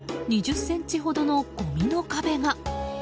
玄関には２０ｃｍほどのごみの壁が。